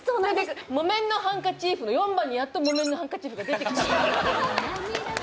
『木綿のハンカチーフ』の４番にやっと「木綿のハンカチーフ」が出てきたみたいな。